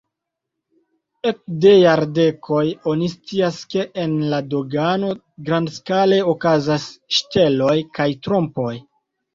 Ekde jardekoj oni scias, ke en la dogano grandskale okazas ŝteloj kaj trompoj.